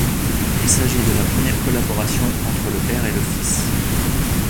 Il s'agit de la première collaboration entre le père et le fils.